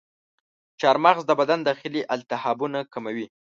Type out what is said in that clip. چارمغز د بدن داخلي التهابونه کموي.